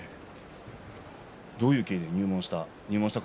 どういう経緯で入門したんですか？